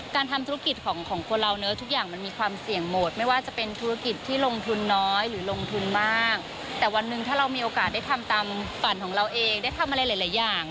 การทำธุรกิจของคนเราเนอะทุกอย่างมันมีความเสี่ยงหมดไม่ว่าจะเป็นธุรกิจที่ลงทุนน้อยหรือลงทุนมากแต่วันหนึ่งถ้าเรามีโอกาสได้ทำตามฝันของเราเองได้ทำอะไรหลายอย่าง